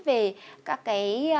về các cái